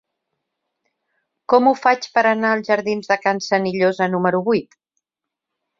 Com ho faig per anar als jardins de Can Senillosa número vuit?